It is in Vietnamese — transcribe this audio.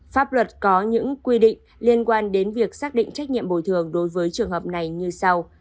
pháp luật có những quy định liên quan đến việc xác định trách nhiệm bồi thường đối với trường hợp này như sau